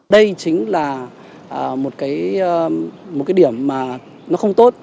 đây chính là một cái điểm mà nó không tốt